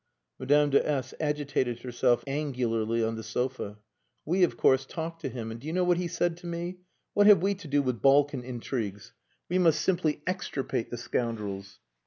Madame de S agitated herself angularly on the sofa. "We, of course, talked to him. And do you know what he said to me? 'What have we to do with Balkan intrigues? We must simply extirpate the scoundrels.